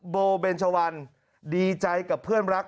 โบเบนชวันดีใจกับเพื่อนรัก